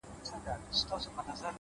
گراني شاعري ستا خوږې خبري ؛